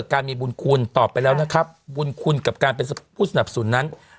การมีบุญคุณตอบไปแล้วนะครับบุญคุณกับการเป็นผู้สนับสนุนนั้น